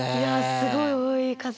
すごい多い数。